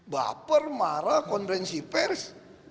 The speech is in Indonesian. baper marah konvensi pers